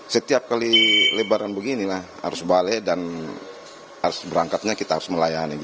setiap kali lebaran beginilah arus balik dan harus berangkatnya kita harus melayani